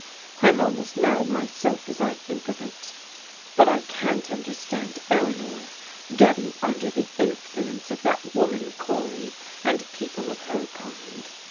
I'm almost mad myself as I think of it. But I can't understand Eleanor, getting under the influence of that woman Cory, and people of her kind.